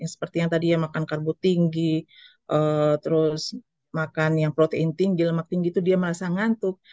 seperti yang tadi ya makan karbo tinggi terus makan yang protein tinggi lemak tinggi itu dia merasa ngantuk